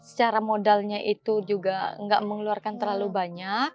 secara modalnya itu juga nggak mengeluarkan terlalu banyak